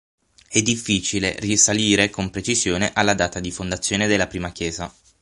È difficile risalire con precisione alla data di fondazione della prima chiesa.